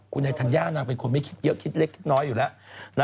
คุณใหญ่ทันยากนางเป็นคนไม่คิดเยอะคิดเล็กคิดน้อยอยู่แล้ว